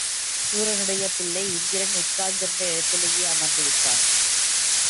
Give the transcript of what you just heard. சூரனுடைய பிள்ளை இந்திரன் உட்கார்ந்திருந்த இடத்திலே அமர்ந்துவிட்டான்.